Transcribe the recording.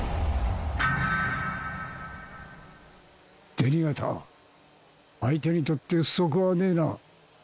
銭形相手にとって不足はねえな。